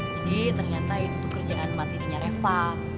jadi ternyata itu tuh kerjaan mati dirinya reva